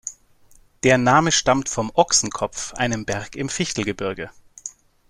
Der Name stammt vom Ochsenkopf, einem Berg im Fichtelgebirge.